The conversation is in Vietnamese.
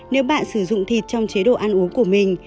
nếu bạn sử dụng thịt trong chế độ ăn uống của mình